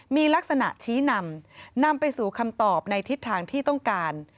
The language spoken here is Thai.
มีลักษณะชี้นำนำไปสู่คำตอบในทิศทางที่ต้องการ